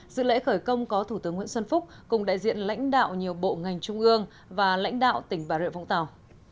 dự lễ khởi công có thủ tướng nguyễn xuân phúc cùng đại diện lãnh đạo nhiều bộ ngành trung ương và lãnh đạo tỉnh bà rịa vũng tàu